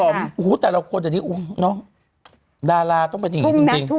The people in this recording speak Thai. โอ้โหแต่ละคนเดี๋ยวนี้ดาราต้องเป็นอย่างนี้จริง